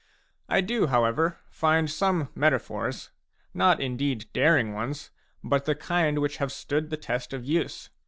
I do, however/ find some metaphors, not, indeed, daring ones, but the kind which have stood the test of use.